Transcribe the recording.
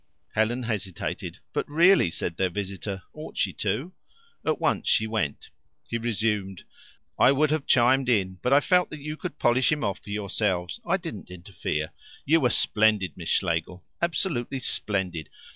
Helen hesitated. "But really " said their visitor. "Ought she to?" At once she went. He resumed. "I would have chimed in, but I felt that you could polish him off for yourselves I didn't interfere. You were splendid, Miss Schlegel absolutely splendid.